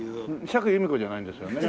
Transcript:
釈由美子じゃないんですよね？